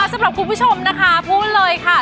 สำหรับคุณผู้ชมนะคะพูดเลยค่ะ